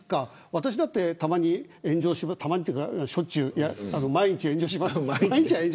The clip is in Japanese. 私だってたまにというかしょっちゅう炎上します。